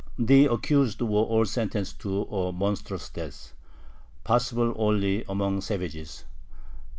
The accused were all sentenced to a monstrous death, possible only among savages.